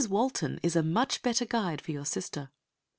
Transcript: Walton is a much better guide for your sister.